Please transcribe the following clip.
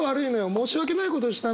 申し訳ないことをしたな。